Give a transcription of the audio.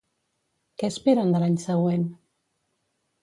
Què esperen de l'any següent?